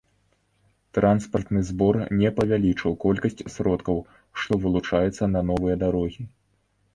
Транспартны збор не павялічыў колькасць сродкаў, што вылучаюцца на новыя дарогі.